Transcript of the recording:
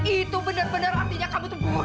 itu bener bener artinya kamu tuh bodoh